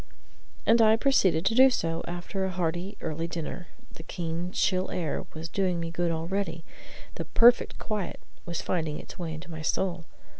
And I proceeded to do so after a hearty early dinner: the keen, chill air was doing me good already: the "perfect quiet" was finding its way into my soul.